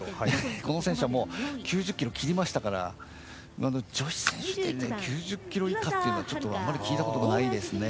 この選手はもう９０キロ切りましたから女子選手で９０キロ以下っていうのはあまり聞いたことがないですね。